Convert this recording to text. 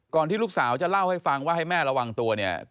ที่ลูกสาวจะเล่าให้ฟังว่าให้แม่ระวังตัวเนี่ย